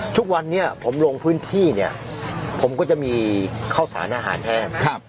ทุกวันนี้ผมลงพื้นที่เนี่ยผมก็จะมีข้าวสารอาหารแห้ง